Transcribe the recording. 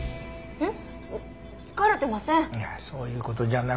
えっ？